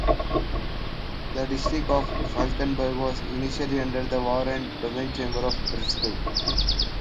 The district of Falkenberg was initially under the War and Domain Chamber of Breslau.